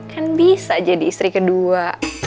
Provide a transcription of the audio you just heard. kan bisa jadi istri kedua